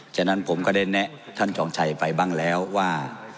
ฉะนั้นผมก็ได้แนะท่านจองชัยไปบ้างแล้วว่า